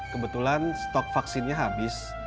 kebetulan stok vaksinnya habis